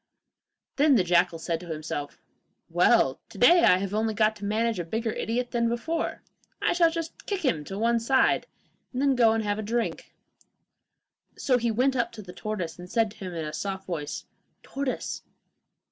Then the jackal said to himself, 'Well, to day I have only got to manage a bigger idiot than before. I shall just kick him on one side, and then go and have a drink.' So he went up to the tortoise and said to him in a soft voice, 'Tortoise!